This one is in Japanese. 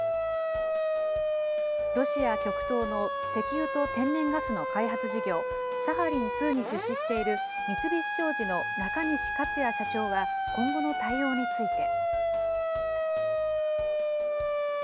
ロシア極東の石油と天然ガスの開発事業、サハリン２に出資している三菱商事の中西勝也社長は、今後の対応について。